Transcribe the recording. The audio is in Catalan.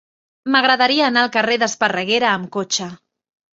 M'agradaria anar al carrer d'Esparreguera amb cotxe.